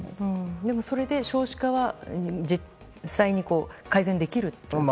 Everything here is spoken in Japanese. でも、それで少子化は実際に改善できると？